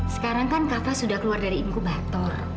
sekarang kan kakak sudah keluar dari inkubator